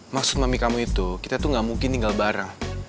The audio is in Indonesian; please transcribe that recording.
maksud suami kamu itu kita tuh gak mungkin tinggal bara